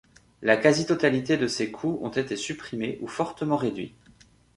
La quasi-totalité de ces coûts ont été supprimées ou fortement réduits.